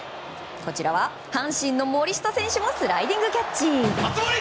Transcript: こちらは、阪神の森下選手もスライディングキャッチ！